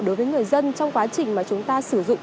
đối với người dân trong quá trình mà chúng ta sử dụng